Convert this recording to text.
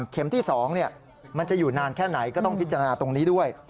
ที่๒มันจะอยู่นานแค่ไหนก็ต้องพิจารณาตรงนี้ด้วย